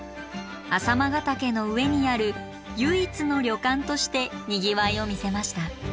朝熊ヶ岳の上にある唯一の旅館としてにぎわいを見せました。